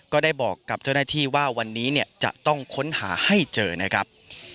ก็ได้บอกกับเจ้าหน้าที่ว่าวันนี้จะต้องค้นหาให้เจอนะครับ